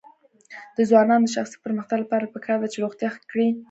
د ځوانانو د شخصي پرمختګ لپاره پکار ده چې روغتیا ښه کړي.